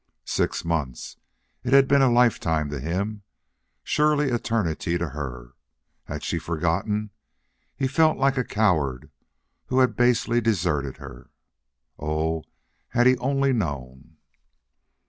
Six months! It had been a lifetime to him. Surely eternity to her! Had she forgotten? He felt like a coward who had basely deserted her. Oh had he only known!